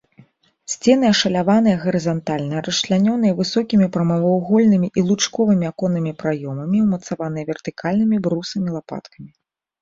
Сцены ашаляваныя гарызантальна, расчлянёныя высокімі прамавугольнымі і лучковымі аконнымі праёмамі, умацаваныя вертыкальнымі брусамі-лапаткамі.